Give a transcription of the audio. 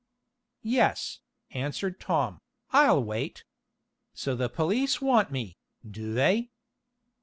"Yes," answered Tom, "I'll wait. So the police want me, do they?"